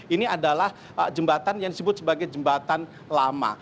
ini adalah jembatan yang disebut sebagai jembatan lama